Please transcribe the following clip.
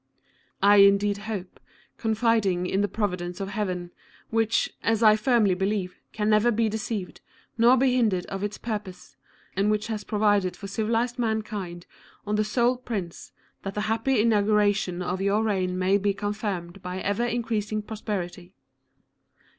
I indeed hope, confiding in the providence of Heaven, which, as I firmly believe, can never be deceived, nor be hindered of its purpose, and which has provided for civilized mankind one sole Prince, that the happy inauguration of your reign may be confirmed by ever increasing prosperity.